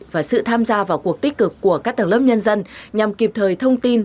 và sự tham gia vào cuộc tích cực của các tầng lớp nhân dân nhằm kịp thời thông tin